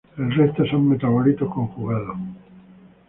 El resto son metabolitos conjugados.